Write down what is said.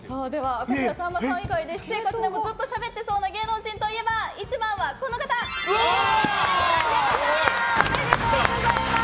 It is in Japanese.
明石家さんまさん以外で私生活でもずっとしゃべってそうな芸能人といえば１番はこの方、柳沢慎吾さん！